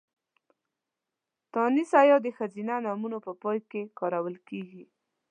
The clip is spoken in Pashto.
تانيث ۍ د ښځينه نومونو په پای کې کارول کېږي.